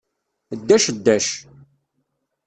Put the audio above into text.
Ddac, ddac!